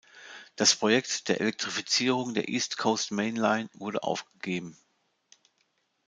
Das Projekt der Elektrifizierung der East Coast Main Line wurde aufgegeben.